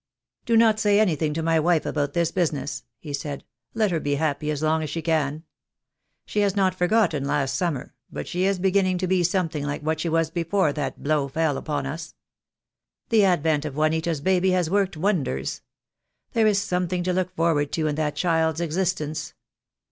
"Do not say anything to my wife about this busi ness," he said; "let her be happy as long as she can. She has not forgotten last summer, but she is beginning to be something like what she was before that blow fell upon us. The advent of Juanita's baby has worked wonders. There is something to look forward to in that child's existence.